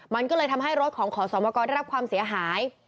มันก็เลยทำให้รถของขอสมกรได้รับความเสียหาย